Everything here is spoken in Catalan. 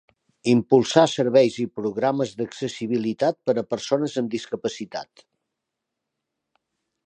Impulsar serveis i programes d'accessibilitat per a persones amb discapacitat.